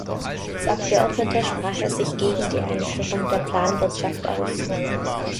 Als Abgeordneter sprach er sich gegen die Einführung der Planwirtschaft aus.